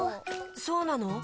そうなの？